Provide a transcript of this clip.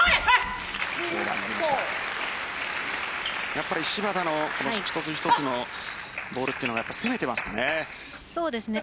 やっぱり芝田の一つ一つのボールというのはそうですね。